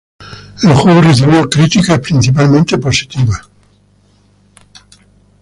El juego recibió críticas principalmente positivas.